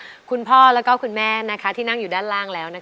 วันนี้มากับครอบครัวนะคะคุณพ่อแล้วก็คุณแม่นะคะที่นั่งอยู่ด้านล่างแล้วนะคะ